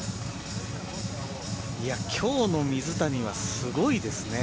今日の水谷はすごいですね。